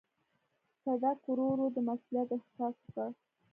صدک ورو ورو د مسووليت احساس وکړ.